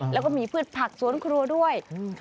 แล้วก็มีพืชผักสวนครัวด้วย